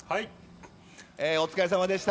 お疲れさまでした。